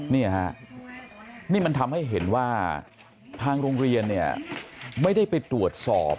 นี่มันทำให้เห็นว่าทางโรงเรียนไม่ได้ไปตรวจสอบ